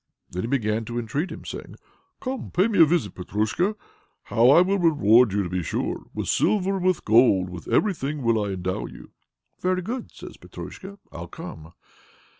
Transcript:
Then he began to entreat him, saying, "Come and pay me a visit, Petrusha. How I will reward you to be sure! With silver and with gold, with everything will I endow you." "Very good," says Petrusha, "I'll come."